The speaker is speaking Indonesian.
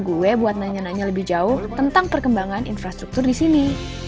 gue buat nanya nanya lebih jauh tentang perkembangan infrastruktur di sini